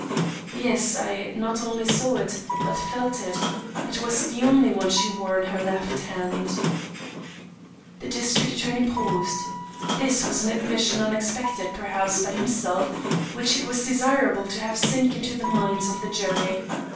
"Yes I not only saw it, but felt it. It was the only one she wore on her left hand." The district attorney paused. This was an admission unexpected, perhaps, by himself, which it was desirable to have sink into the minds of the jury.